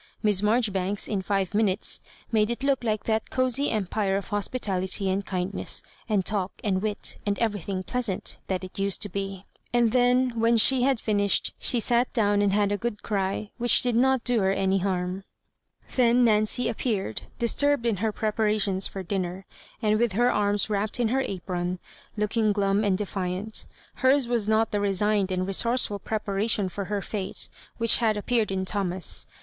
Miss Maijori banks, in Ave minutes, made it look like that oosy empire of hospitality and kindness, and talk dbd wi^ and everything pleasant, that it used to be; Digitized by VjOOQIC 166 HISS MABJOBIBANKS. / And then, wlien she had finished, she sat down and had a good cry, which did not do her any barm. Then Nancy appeared, disturbed in her prepara tions for dinner, and with her arms wrapped in her apron, looking glum and defiant Hers was not the resigned and resourceful preparation for her fate which had appeared in Thomas.